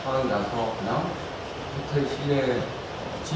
pertandingan lag pertama semifinal indonesia